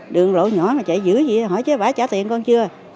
đường lộ nhỏ mà chạy dưới gì hỏi chứ bà trả tiền con chưa